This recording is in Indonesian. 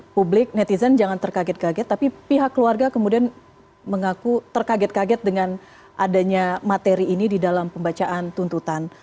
publik netizen jangan terkaget kaget tapi pihak keluarga kemudian mengaku terkaget kaget dengan adanya materi ini di dalam pembacaan tuntutan